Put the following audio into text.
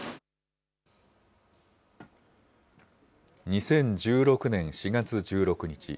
２０１６年４月１６日。